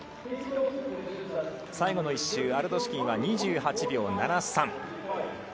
最後の１周、アルドシュキンは２８秒７３。